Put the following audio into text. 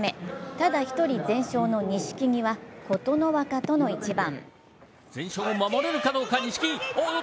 ただ１人、全勝の錦木は琴ノ若との一番。